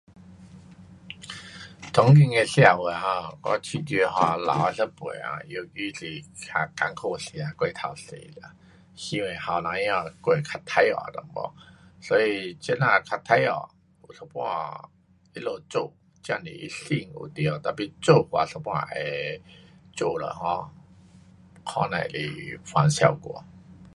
当今的社会 um 我觉得 um 老的一辈 um 尤其是较困苦吃过头多啦，希望年轻儿过较快乐一点，所以这呐较快乐一半下他们做真是收有到，tapi 做法一半下会做了哈，可能是反效果。